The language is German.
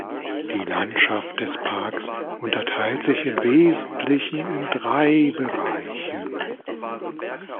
Die Landschaft des Parks unterteilt sich im Wesentlichen in drei Bereiche.